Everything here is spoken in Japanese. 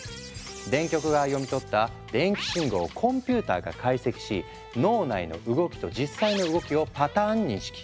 電極が読み取った電気信号をコンピューターが解析し脳内の動きと実際の動きをパターン認識。